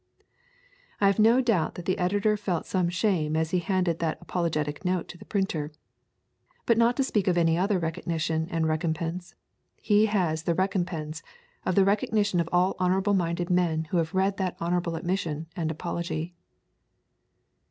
'] I have no doubt that editor felt some shame as he handed that apologetic note to the printer. But not to speak of any other recognition and recompense, he has the recompense of the recognition of all honourable minded men who have read that honourable admission and apology.